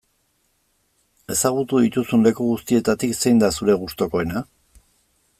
Ezagutu dituzun leku guztietatik zein da zure gustukoena?